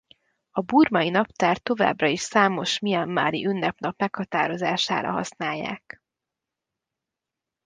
A burmai naptárt továbbra is számos mianmari ünnepnap meghatározására használják.